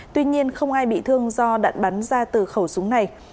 tuy nhiên không ai bị thương do đạn bắn ra từ khẩu súng này